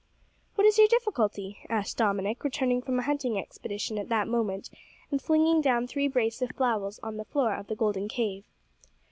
"What is your difficulty," asked Dominick, returning from a hunting expedition at that moment, and flinging down three brace of fowls on the floor of the golden cave.